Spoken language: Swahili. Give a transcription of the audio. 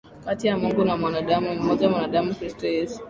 kati ya Mungu na wanadamu ni mmoja mwanadamu Kristo Yesu